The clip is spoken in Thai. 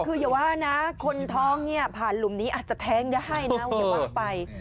คืออย่าว่านะคนท้องเนี่ยผ่านหลุมนี้อาจจะแท้งได้ให้นะอย่าว่าไป